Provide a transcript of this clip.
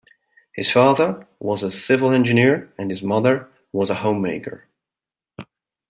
His father was a civil engineer and his mother was a homemaker.